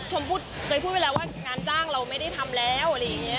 เคยพูดไปแล้วว่างานจ้างเราไม่ได้ทำแล้วอะไรอย่างนี้